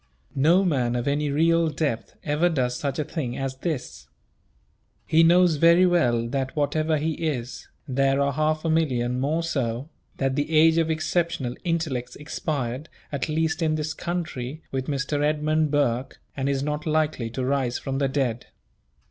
No man of any real depth ever does such a thing as this. He knows very well that whatever he is, there are half a million more so; that the age of exceptional intellects expired, at least in this country, with Mr. Edmund Burke, and is not likely to rise from the dead.